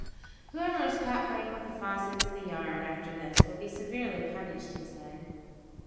"Whoever is caught playing with the faucets in the yard after this will be severely punished," he said.